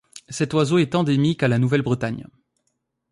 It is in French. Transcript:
Cet oiseau est endémique à la Nouvelle-Bretagne.